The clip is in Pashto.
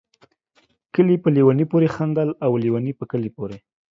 کلي په ليوني پوري خندل ، او ليوني په کلي پوري